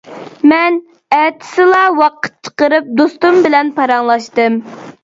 مەن ئەتىسىلا ۋاقىت چىقىرىپ دوستۇم بىلەن پاراڭلاشتىم.